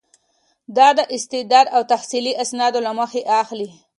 دا د استعداد او تحصیلي اسنادو له مخې اخلي.